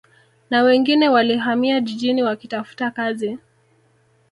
Na wengine walihamia jijini wakitafuta kazi